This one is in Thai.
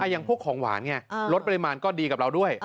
อย่างพวกของหวานไงลดปริมาณก็ดีกับเราด้วย